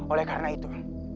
oleh karena itu